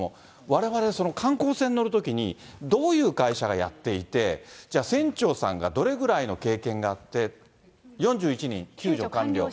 われわれ、観光船に乗るときに、どういう会社がやっていて、じゃあ、船長さんが、どれぐらいの経験があって、４１人、救助完了。